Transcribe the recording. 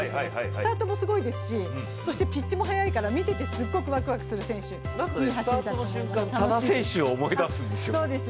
スタートもすごいですしピッチも速いから見ていてすっごくわくわくする選手だと思います。